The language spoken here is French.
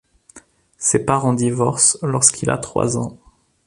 Ses parents divorcent lorsqu'il a trois ans.